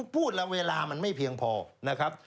พูดละเวลามันไม่เพียงพอนะครับ